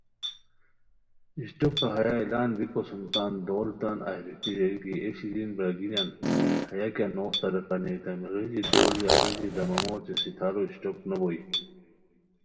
اشٹوکہ ہیہ اعلان بیکو سُم تان دول تان ایہہ روپھی ریر کی "اے شیرین برارگینیان ہیہ کیہ نوغ طریقہ نیتامی، غیژی دول یا غیژی دمامو اوچے ستھارو اِشٹوک نوبوئے